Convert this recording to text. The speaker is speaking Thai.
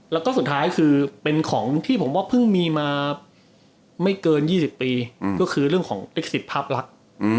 แล้วก็สุดท้ายคือเป็นของที่ผมว่าเพิ่งมีมาไม่เกิน๒๐ปีก็คือเรื่องของลิขสิทธิ์ภาพลักษณ์